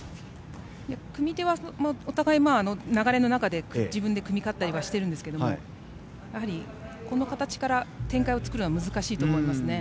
組み手はお互いに流れの中で自分で組み勝ったりはしているんですけれども、やはりこの形から展開を作るのは難しいと思いますね。